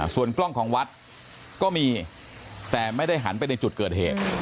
ส่วนกล้องของวัดก็มีแต่ไม่ได้หันไปในจุดเกิดเหตุ